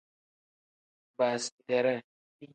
Baasiteree.